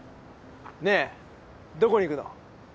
ねえどこに行くの？